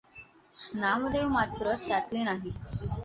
नामदेव मात्र त्यातले नाहीत.